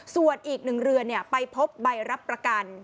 ส่วนอีก๑เรือนไปพบใบรับประกัน